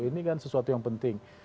ini kan sesuatu yang penting